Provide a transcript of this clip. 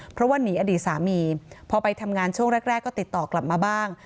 เพราะว่าหนีอดีตสามีพอไปทำงานช่วงแรกก็ติดต่อกลับมาบ้าง